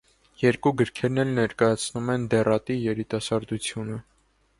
Երկու գրքերն էլ ներկայացնում են դեռատի երիտասարդությունը։